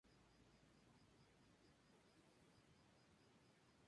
La distribución de esta familia es por las regiones templadas y sub tropical.